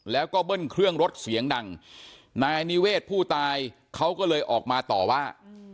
แล้วก็เบิ้ลเครื่องรถเสียงดังนายนิเวศผู้ตายเขาก็เลยออกมาต่อว่า